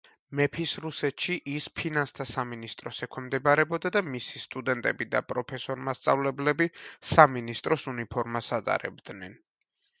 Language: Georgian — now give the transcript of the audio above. მეფის რუსეთში ის ფინანსთა სამინისტროს ექვემდებარებოდა და მისი სტუდენტები და პროფესორ-მასწავლებლები სამინისტროს უნიფორმას ატარებდნენ.